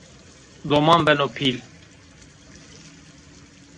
Doman beno pîl